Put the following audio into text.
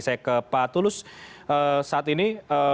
saya ke pak tulus saat ini